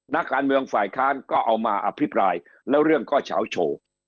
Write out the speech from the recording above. นักการเมืองฝ่ายค้านก็เอามาอภิปรายแล้วเรื่องก็เฉาโชว์